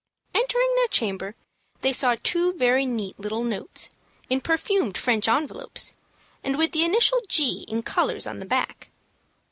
Entering their chamber, they saw two very neat little notes, in perfumed French envelopes, and with the initial G in colors on the back.